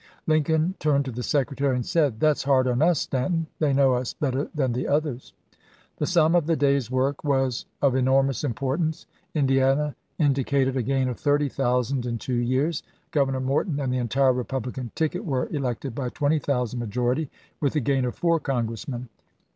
Lincoln turned to the Secretary and said, " That 's hard on us, Stanton ! They know us bet ter than the others." The sum of the day's work was of enormous importance. Indiana indicated a gain of thirty thousand in two years. Governor Morton and the entire Eepublican ticket were elected by twenty thousand majority, with the gain of four Congressmen.